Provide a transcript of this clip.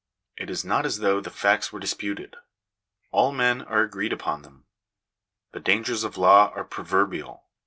It is not as though the facts were disputed; all men are agreed upon them. The dangers of law are proverbial.